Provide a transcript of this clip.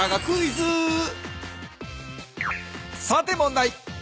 さて問題。